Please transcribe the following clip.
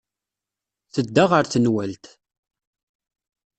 Tedda ɣer tenwalt.